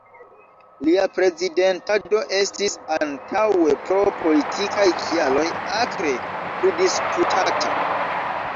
Lia prezentado estis antaŭe pro politikaj kialoj akre pridisputata.